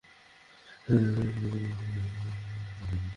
ফুটবল-ঐতিহ্যে শহর দুটির কোনোটিকে অন্যটির চেয়ে বেশি পেছনে রাখা যাবে না।